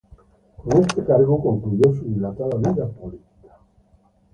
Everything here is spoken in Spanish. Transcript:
Con este cargo concluyó su dilatada vida política.